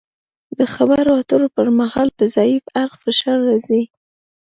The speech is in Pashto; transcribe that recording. د خبرو اترو پر مهال په ضعیف اړخ فشار راځي